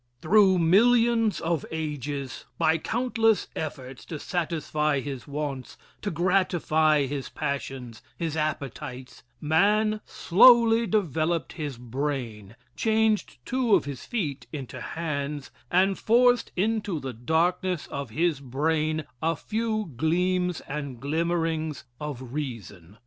I. THROUGH millions of ages, by countless efforts to satisfy his wants, to gratify his passions, his appetites, man slowly developed his brain, changed two of his feet into hands and forced into the darkness of his brain a few gleams and glimmerings of reason.